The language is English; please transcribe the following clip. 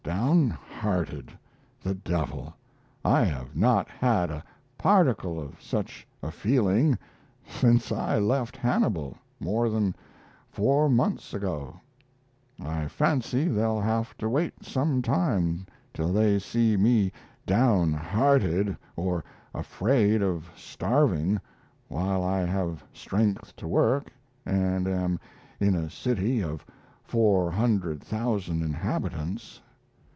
"Downhearted," the devil! I have not had a particle of such a feeling since I left Hannibal, more than four months ago. I fancy they'll have to wait some time till they see me downhearted or afraid of starving while I have strength to work and am in a city of 400,000 inhabitants.